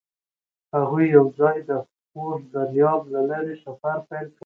هغوی یوځای د خوږ دریاب له لارې سفر پیل کړ.